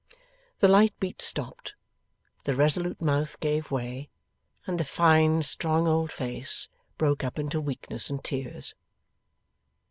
The light beat stopped, the resolute mouth gave way, and the fine strong old face broke up into weakness and tears.